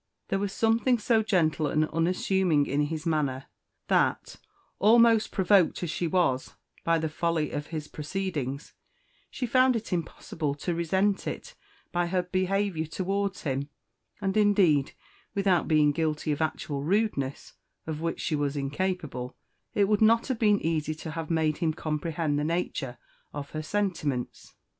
There was something so gentle and unassuming in his manner that, almost provoked as she was by the folly of his proceedings, she found it impossible to resent it by her behaviour towards him; and indeed, without being guilty of actual rudeness, of which she was incapable, it would not have been easy to have made him comprehend the nature of her sentiments.